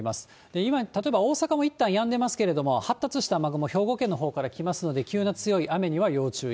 今、例えば大阪もいったんやんでますけども、発達した雨雲、兵庫県のほうから来ますので、急な強い雨には要注意。